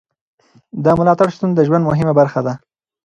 د ملاتړ شتون د ژوند مهمه برخه ده.